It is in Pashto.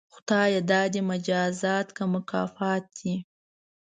خدایه دا دې مجازات که مکافات دي؟